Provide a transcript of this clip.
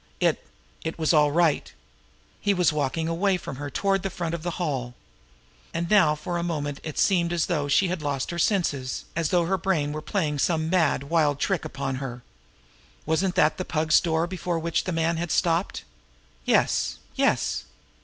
It it was all right. He was walking away from her toward the front of the hall. And now for a moment it seemed as though she had lost her senses, as though her brain were playing some mad, wild trick upon her. Wasn't that the Pug's door before which the man had stopped? Yes, yes!